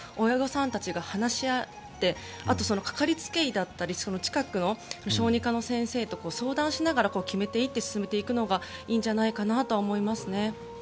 親御さんたちが話し合ってあとは、かかりつけ医だったり近くの小児科の先生と相談しながら決めていって進めていくのがいいんじゃないかなと思いますね。